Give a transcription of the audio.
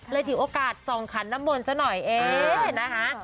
เลยถือโอกาสจองขันน้ำมนสักหน่อยเอ๊ะนะคะ